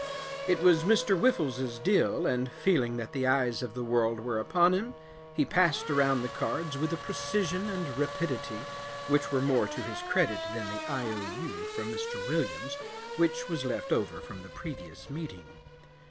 It was Mr. Whiffles's deal, and feeling that the eyes of the world were upon him, he passed around the cards with a precision and rapidity which were more to his credit than the I. O. U. from Mr. Williams which was left over from the previous meeting.